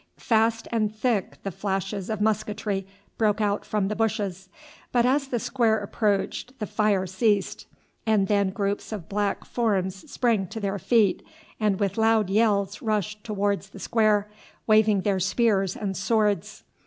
Fast and thick the flashes of musketry broke out from the bushes; but as the square approached the fire ceased, and then groups of black forms sprang to their feet, and with loud yells rushed towards the square, waving their spears and swords.